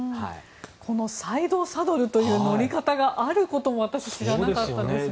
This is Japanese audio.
このサイドサドルという乗り方があることも私、知らなかったです。